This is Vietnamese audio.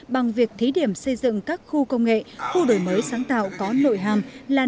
bằng việc thí điểm xây dựng các khu công nghệ khu đổi mới sáng tạo có nội hàm là